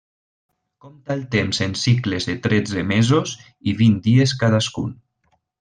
Compta el temps en cicles de tretze mesos i vint dies cadascun.